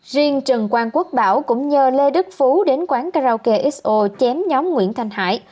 riêng trần quang quốc bảo cũng nhờ lê đức phú đến quán karaoke xo chém nhóm nguyễn thanh hải